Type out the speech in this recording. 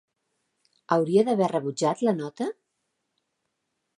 Hauria d'haver rebutjat la nota?